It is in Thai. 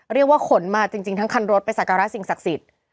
เรียกว่าขนมาจริงทั้งคันรถไปสักการะสิ่งศักดิ์สิทธิ์